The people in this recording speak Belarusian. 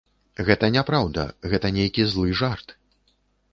Гэта няпраўда, гэта нейкі злы жарт.